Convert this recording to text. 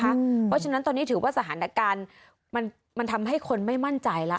เพราะฉะนั้นตอนนี้ถือว่าสถานการณ์มันทำให้คนไม่มั่นใจแล้ว